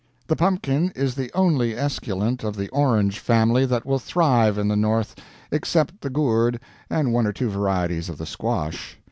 The pumpkin is the only esculent of the orange family that will thrive in the North, except the gourd and one or two varieties of the squash.